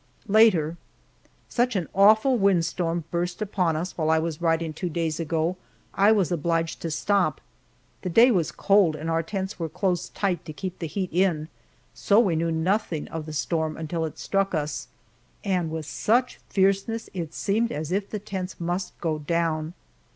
Later. Such an awful wind storm burst upon us while I was writing two days ago, I was obliged to stop. The day was cold and our tents were closed tight to keep the heat in, so we knew nothing of the storm until it struck us, and with such fierceness it seemed as if the tents must go down.